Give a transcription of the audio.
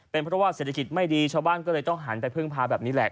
เป็นเพราะว่าเศรษฐกิจไม่ดีชาวบ้านก็เลยต้องหันไปพึ่งพาแบบนี้แหละ